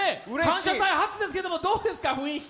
「感謝祭」初ですけどどうですか、雰囲気。